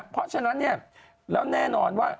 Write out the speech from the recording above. เพราะฉะนั้นแล้วแน่นอนว่า